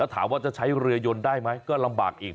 ถามว่าจะใช้เรือยนได้ไหมก็ลำบากอีก